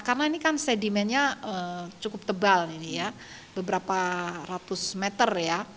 karena ini kan sedimennya cukup tebal ini ya beberapa ratus meter ya